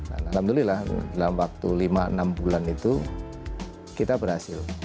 alhamdulillah dalam waktu lima enam bulan itu kita berhasil